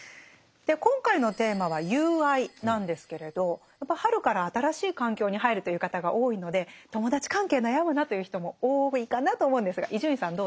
今回のテーマは「友愛」なんですけれどやっぱ春から新しい環境に入るという方が多いので友達関係悩むなという人も多いかなと思うんですが伊集院さんどうですか？